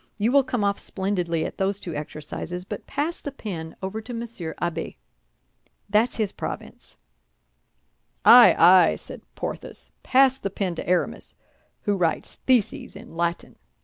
You will come off splendidly at those two exercises; but pass the pen over to Monsieur Abbé. That's his province." "Ay, ay!" said Porthos; "pass the pen to Aramis, who writes theses in Latin."